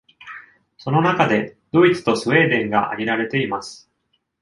その中でドイツとスウェーデンが挙げられています。